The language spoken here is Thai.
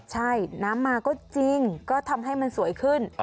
ใช่น้ำมาก็จริงก็ทำให้มันสวยขึ้น